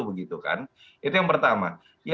begitu kan itu yang pertama